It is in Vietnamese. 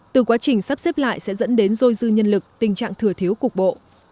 từ quá trình sắp xếp lại sẽ dẫn đến dôi dư nhân lực tình trạng thừa thiếu cục bộ